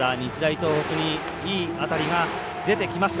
東北にいい当たりが出てきました。